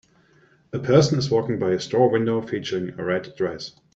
A person is walking by a store window featuring a red dress.